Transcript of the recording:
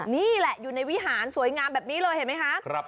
นี่แหละอยู่ในวิหารสวยงามแบบนี้เลยเห็นไหมคะ